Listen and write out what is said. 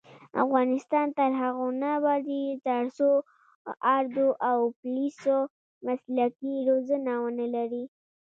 افغانستان تر هغو نه ابادیږي، ترڅو اردو او پولیس مسلکي روزنه ونه لري.